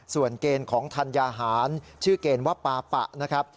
ส่วนเกณฑ์ของธัญญาหารชื่อเกณฑ์ว่าปาปะนะครับ